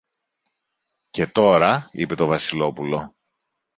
Και τώρα, είπε το Βασιλόπουλο